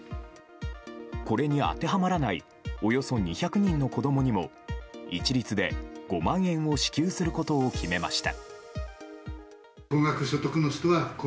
これに当てはまらないおよそ２００人の子供にも一律で５万円を支給することを決めました。